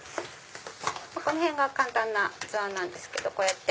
このへんが簡単な図案なんですけど。